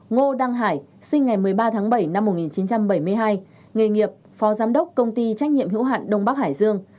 ngô đăng hải sinh ngày một mươi ba tháng bảy năm một nghìn chín trăm bảy mươi hai nghề nghiệp phó giám đốc công ty trách nhiệm hữu hạn đông bắc hải dương